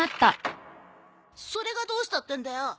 それがどうしたってんだよ！